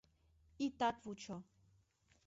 Итат вучо!